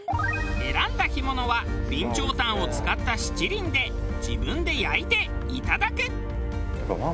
選んだ干物は備長炭を使った七輪で自分で焼いていただく。